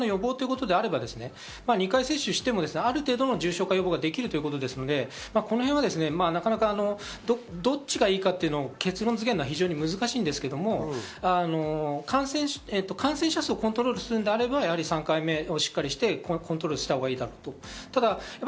一方で重症化の予防ということであれば２回接種してもある程度の重症化予防ができるということなので、この辺はどっちがいいかというのを結論づけるのは非常に難しいんですけど、感染者数をコントロールするのであれば、やはり３回目をしっかりしてコントロールしたほうがいいなと。